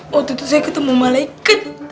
waktu itu saya ketemu malaikat